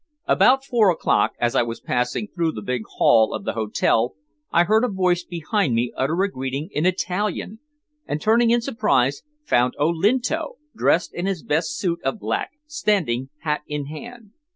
About four o'clock, as I was passing through the big hall of the hotel, I heard a voice behind me utter a greeting in Italian, and turning in surprise, found Olinto, dressed in his best suit of black, standing hat in hand.